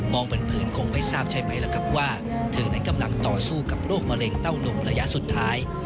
เผินคงไม่ทราบใช่ไหมล่ะครับว่าเธอนั้นกำลังต่อสู้กับโรคมะเร็งเต้านมระยะสุดท้าย